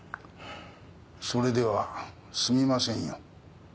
それではすみませんよ。